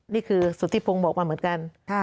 นี่คือสุธิพงศ์บอกว่าเหมือนกัน